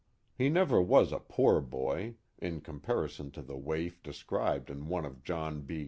He never was a poor boy, in comparison to the waif described in one of John B.